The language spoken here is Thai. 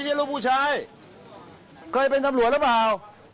นี่ลูกผู้ชายเคยเป็นตำรวจหรือเปล่า